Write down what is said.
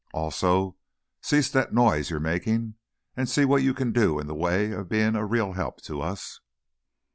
Also, cease that noise you're making, and see what you can do in the way of being a real help to us."